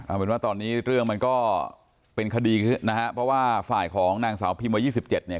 เอาเป็นว่าตอนนี้เรื่องมันก็เป็นคดีนะฮะเพราะว่าฝ่ายของนางสาวพิมวัย๒๗เนี่ย